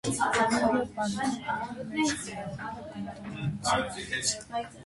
Կոմեդիա պալիատայի մեջ կիրառվել է կոնտամինացիան։